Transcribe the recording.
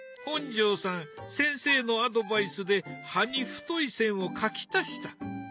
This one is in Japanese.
本上さん先生のアドバイスで葉に太い線を描き足した。